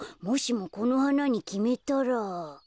もしもこのはなにきめたら。